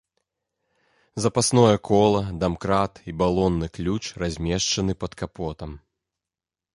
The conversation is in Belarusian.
Запасное кола, дамкрат і балонны ключ размешчаны пад капотам.